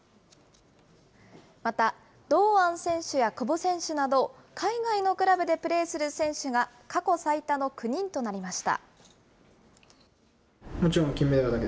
また、堂安選手や久保選手など、海外のクラブでプレーする選手が、過去最多の９人となりました。